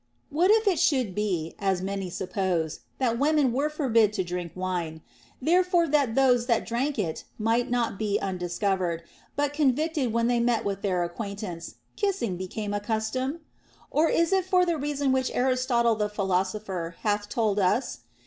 What if it should be (as many suppose) that women were forbid to drink wine ; therefore that those that drank it might not be undiscovered, but convicted when they met with their acquaintance, kissing became a custom ? Or is it for the reason which Aristotle the phi losopher hath told us